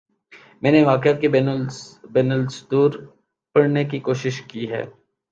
میں نے واقعات کے بین السطور پڑھنے کی کوشش کی ہے۔